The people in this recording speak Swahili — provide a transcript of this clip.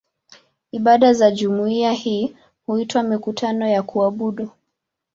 Ibada za jumuiya hii huitwa "mikutano ya kuabudu".